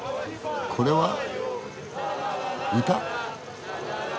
これは歌？